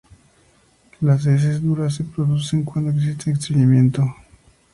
Las heces duras se producen cuando existe estreñimiento.